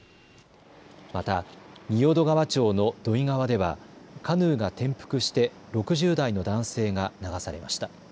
また仁淀川町の土居川ではカヌーが転覆して６０代の男性が流されました。